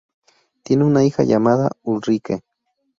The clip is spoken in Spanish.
Tienen una hija llamada Ulrike.